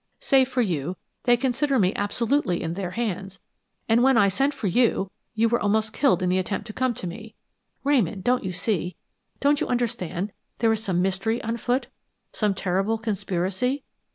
Save for you, they consider me absolutely in their hands; and when I sent for you, you were almost killed in the attempt to come to me. Ramon, don't you see, don't you understand, there is some mystery on foot, some terrible conspiracy?